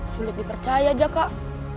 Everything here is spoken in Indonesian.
sulit dipercaya aja kak